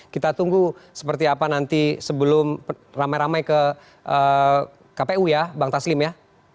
kita tunggu seperti apa nanti sebelum ramai ramai ke kpu ya bang taslim ya